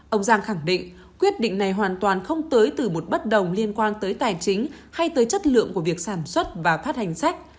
ông giang khẳng định quyết định này hoàn toàn không tới từ một bất đồng liên quan tới tài chính hay tới chất lượng của việc sản xuất và phát hành sách